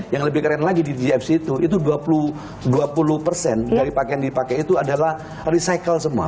yang lebih keren lagi di dfc itu itu dua puluh persen dari pakaian yang dipakai itu adalah recycle semua